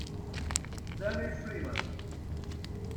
Donnie Freeman